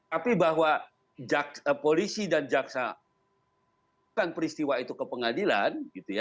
tapi bahwa polisi dan jaksa bukan peristiwa itu ke pengadilan